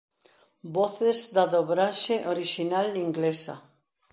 Voces da dobraxe orixinal inglesa.